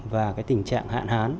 và tình trạng hạn hán